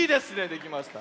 できました。